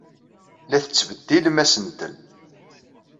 La tettbeddilem asentel.